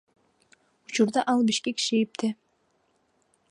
Учурда ал Бишкек ШИИБде.